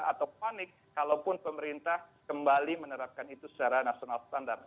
atau panik kalaupun pemerintah kembali menerapkan itu secara national standard